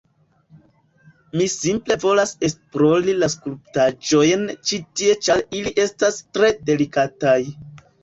Mi simple volas esplori la skulptaĵojn ĉi tie ĉar ili estas tre delikataj